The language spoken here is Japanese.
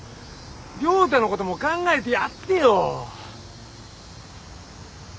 亮太のことも考えてやってよ。